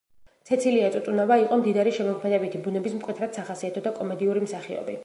ცეცილია წუწუნავა იყო მდიდარი შემოქმედებითი ბუნების მკვეთრად სახასიათო და კომედიური მსახიობი.